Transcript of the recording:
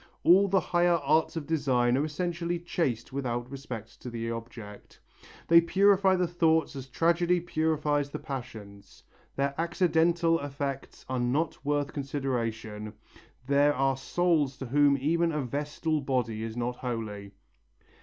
"All the higher arts of design are essentially chaste without respect to the object. "They purify the thoughts as tragedy purifies the passions. Their accidental effects are not worth consideration; there are souls to whom even a vestal body is not holy."